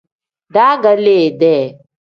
Daagaliide.